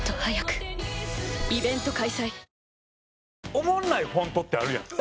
おもんないフォントってあるやん。